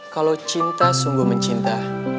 kalau cinta sungguh mencinta